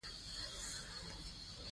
افغانستان په سمندر نه شتون باندې تکیه لري.